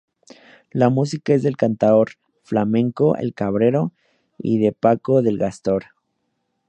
La música es del cantaor flamenco "El Cabrero" y de Paco del Gastor.